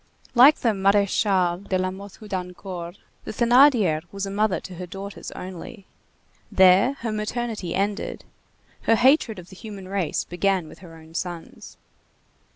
Like the Maréchale de La Mothe Houdancourt, the Thénardier was a mother to her daughters only. There her maternity ended. Her hatred of the human race began with her own sons.